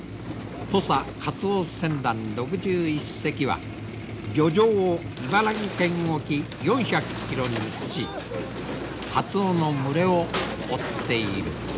土佐カツオ船団６１隻は漁場を茨城県沖４００キロに移しカツオの群れを追っている。